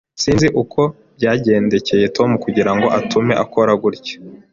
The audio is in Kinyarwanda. Sinzi uko byagendekeye Tom kugirango atume akora gutya.